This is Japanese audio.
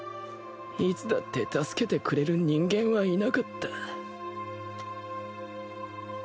いつだって助けてくれる人間はいなかった